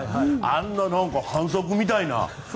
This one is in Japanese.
あんな反則みたいな。